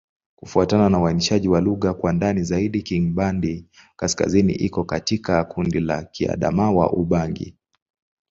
Kufuatana na uainishaji wa lugha kwa ndani zaidi, Kingbandi-Kaskazini iko katika kundi la Kiadamawa-Ubangi.